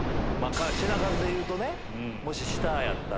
品数でいうとねもし下やったら。